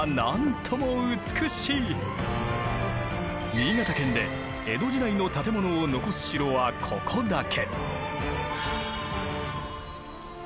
新潟県で江戸時代の建物を残す城はここだけ。